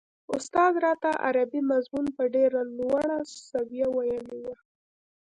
استاد راته عربي مضمون په ډېره لوړه سويه ويلی و.